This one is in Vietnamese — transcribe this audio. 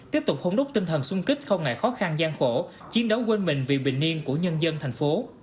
tiếp tục hôn đúc tinh thần sung kích không ngại khó khăn gian khổ chiến đấu quên mình vì bình yên của nhân dân thành phố